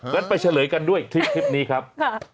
งั้นไปเฉลยกันด้วยคลิปนี้ครับ